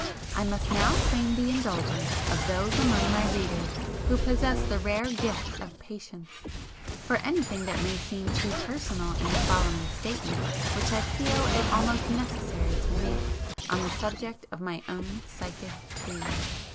I must now claim the indulgence of those among my readers who possess the rare gift of patience, for anything that may seem too personal in the following statement which I feel it almost necessary to make on the subject of my own "psychic" creed.